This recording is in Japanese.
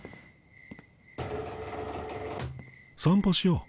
散歩しよう。